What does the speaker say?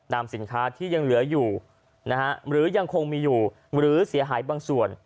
สินค้าที่ยังเหลืออยู่นะฮะหรือยังคงมีอยู่หรือเสียหายบางส่วน